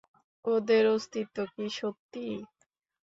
ওদের অস্তিত্ব কি সত্যি?